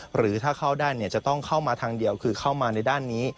หรือถ้าเข้าได้จะต้องเข้ามาทางเดียวคือเข้ามาในด้านนี้